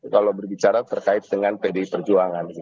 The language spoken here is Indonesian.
kalau berbicara terkait dengan pdi perjuangan